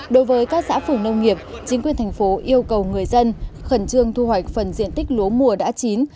đối với các xã phù nông nghiệp chính quyền thành phố yêu cầu người dân khẩn trương thu hoạch phần diện tích lúa mùa đã chín